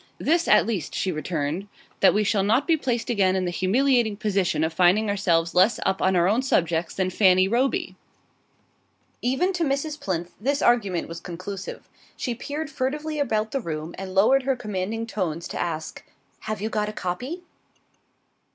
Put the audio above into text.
"This at least," she returned; "that we shall not be placed again in the humiliating position of finding ourselves less up on our own subjects than Fanny Roby!" Even to Mrs. Plinth this argument was conclusive. She peered furtively about the room and lowered her commanding tones to ask: "Have you got a copy?"